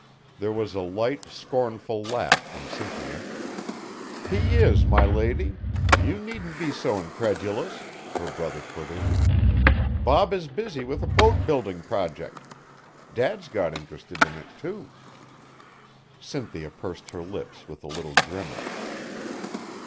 There was a light, scornful laugh from Cynthia. "He is, my lady. You needn't be so incredulous," her brother put in. "Bob is busy with a boat building project. Dad's got interested in it, too." Cynthia pursed her lips with a little grimace.